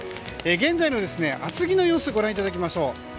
現在の厚木の様子をご覧いただきましょう。